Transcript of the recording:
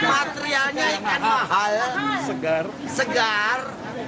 materialnya ikan mahal segar